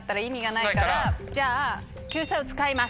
じゃあ救済を使います。